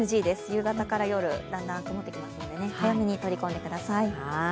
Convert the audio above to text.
夕方から夜、だんだん曇ってきますので早めに取り込んでください。